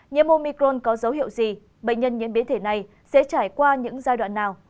nhiễm omicron có dấu hiệu gì bệnh nhân nhiễm biến thể này sẽ trải qua những giai đoạn nào